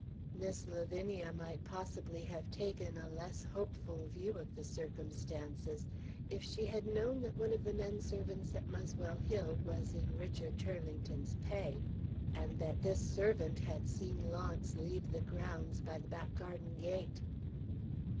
Miss Lavinia might possibly have taken a less hopeful view of the circumstances, if she had known that one of the men servants at Muswell Hill was in Richard Turlington's pay, and that this servant had seen Launce leave the grounds by the back garden gate.